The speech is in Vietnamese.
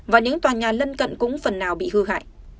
và những tòa nhà lân cận cũng phần nào bị hư hại